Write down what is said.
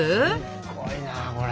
すごいなこれ。